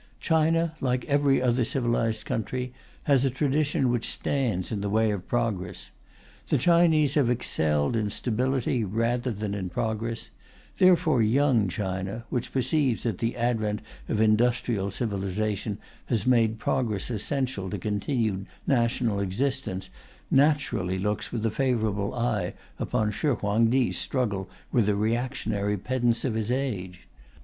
China, like every other civilized country, has a tradition which stands in the way of progress. The Chinese have excelled in stability rather than in progress; therefore Young China, which perceives that the advent of industrial civilization has made progress essential to continued national existence, naturally looks with a favourable eye upon Shih Huang Ti's struggle with the reactionary pedants of his age.